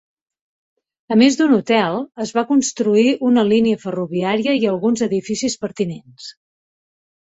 A més d'un hotel, es va construir una línia ferroviària i alguns edificis pertinents.